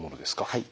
はい。